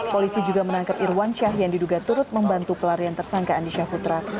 polisi juga menangkap irwan syah yang diduga turut membantu pelarian tersangka andi syaputra